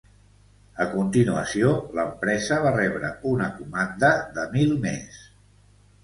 A continuació, l'empresa va rebre una comanda de mil més.